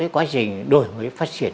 quá trình đổi phát triển